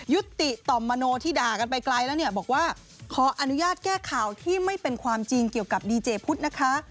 ยุติต่อมมโนที่ด่ากันไปไกลแล้วเนี่ยบอกว่าขออนุญาตแก้ข่าวที่ไม่เป็นความจริงเกี่ยวกับดีเจพุทธนะคะ